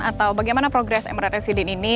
atau bagaimana progres mlr residence ini